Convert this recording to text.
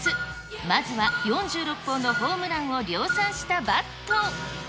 まずは４６本のホームランを量産したバット。